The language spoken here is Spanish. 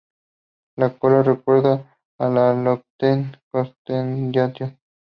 La cola recuerda a la del Lockheed Constellation.